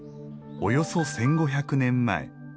およそ１５００年前。